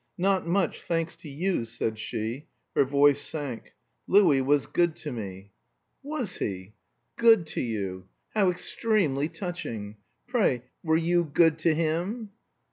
"Not much, thanks to you," said she. Her voice sank. "Louis was good to me." "Was he? 'Good' to you How extremely touching! Pray, were you good to him?"